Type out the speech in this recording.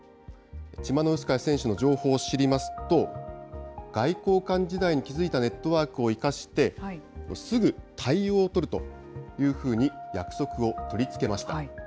チマノウスカヤ選手の情報を知りますと、外交官時代に築いたネットワークを生かして、すぐ対応をとるというふうに約束を取り付けました。